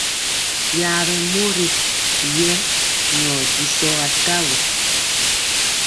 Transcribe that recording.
Yaɓɛ mori yɛ nyɔ jisɔ atawɔ.